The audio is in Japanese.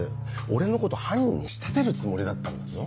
俺のこと犯人に仕立てるつもりだったんだぞ。